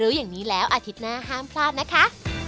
รู้อย่างนี้แล้วอาทิตย์หน้าห้ามพลาดนะคะ